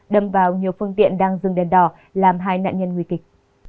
đâm vào nhiều phương tiện đang dừng đèn đỏ làm hai nạn nhân nguy kịch